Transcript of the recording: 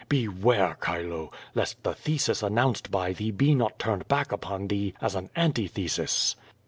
Beware, Chilo! lest the thesis an nounced by thee be not turned back upon thee as an anti thesis."